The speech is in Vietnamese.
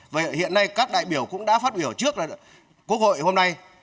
vậy hiện nay các đại biểu cũng đã phát biểu trước quốc hội hôm nay